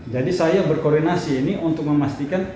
jadi saya berkoordinasi ini untuk memastikan